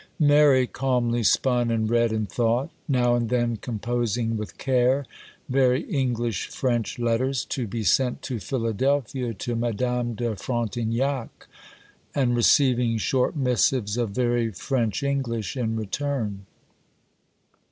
Mary calmly spun and read and thought; now and then composing with care very English French letters, to be sent to Philadelphia to Madame de Frontignac, and receiving short missives of very French English in return.